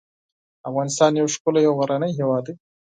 افغانستان یو ښکلی او غرنی هیواد دی .